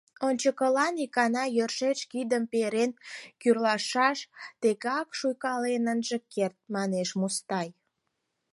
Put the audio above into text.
— Ончыкылан икана йӧршеш кидшым перен кӱрлшаш: тегак шуйкален ынже керт, — манеш Мустай.